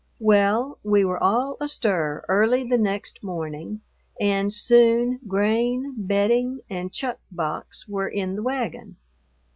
Well, we were all astir early the next morning and soon grain, bedding, and chuck box were in the wagon.